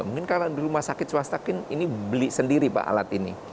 mungkin kalau di rumah sakit swasta ini beli sendiri pak alat ini